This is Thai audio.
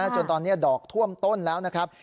จนตอนนี้ดอกท่วมต้นแล้วนะครับ